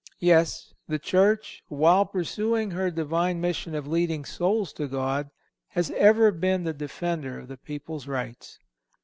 Yes; the Church, while pursuing her Divine mission of leading souls to God, has ever been the defender of the people's rights.